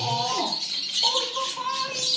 オリもパーリー！